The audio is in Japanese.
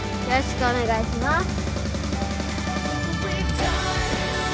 よろしくお願いします。